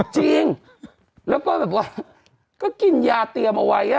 จริงแล้วก็แบบว่าก็กินยาเตรียมเอาไว้